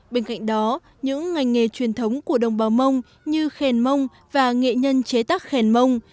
bên cạnh đó những ngành nghề truyền thống của đồng bào mông như khèn mông và nghệ nhân chế tác khèn mông